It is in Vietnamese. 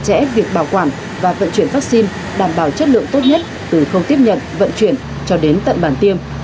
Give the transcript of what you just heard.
trẻ việc bảo quản và vận chuyển vaccine đảm bảo chất lượng tốt nhất từ không tiếp nhận vận chuyển cho đến tận bản tiêm